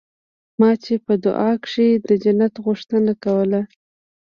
ما چې په دعا کښې د جنت غوښتنه کوله.